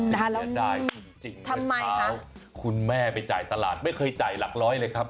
และเสียดายจริงเมื่อเช้าคุณแม่ไปจ่ายตลาดไม่เคยจ่ายหลักร้อยเลยครับ